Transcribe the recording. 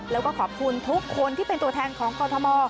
แล้วก็ขอบคุณทุกคนที่เป็นตัวแทนของกรทม